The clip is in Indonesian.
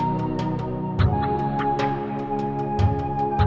kamu sama siapa